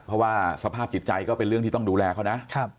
เพราะว่าสภาพจิตใจก็เป็นเรื่องที่ต้องดูแลเขานะ